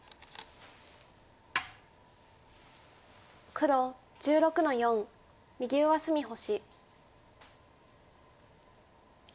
黒１６の四右上隅星。